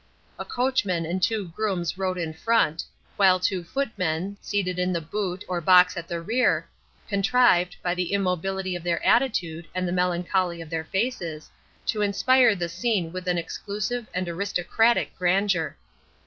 A coachman and two grooms rode in front, while two footmen, seated in the boot, or box at the rear, contrived, by the immobility of their attitude and the melancholy of their faces, to inspire the scene with an exclusive and aristocratic grandeur.